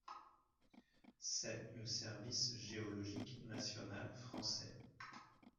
C'est le service géologique national français.